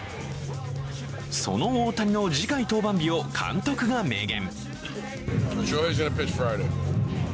その大谷の次回登板日を監督が明言。